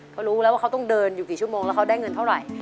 เขารู้แล้วว่าเขาต้องเดินอยู่กี่ชั่วโมงแล้วเขาได้เงินเท่าไหร่